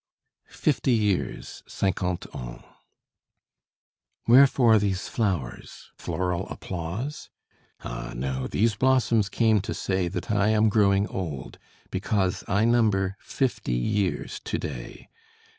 FIFTY YEARS (ClNQUANTE ANS) Wherefore these flowers? floral applause? Ah, no, these blossoms came to say That I am growing old, because I number fifty years to day.